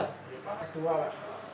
berapa nilai utang